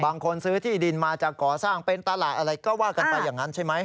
ซื้อที่ดินมาจากก่อสร้างเป็นตลาดอะไรก็ว่ากันไปอย่างนั้นใช่ไหม